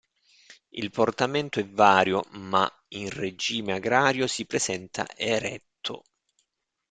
Il portamento è vario ma in regime agrario si presenta eretto.